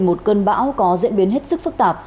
một cơn bão có diễn biến hết sức phức tạp